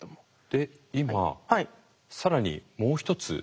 で今更にもう一つ。